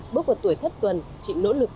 bước vào tuổi thất tuần chỉ nỗ lực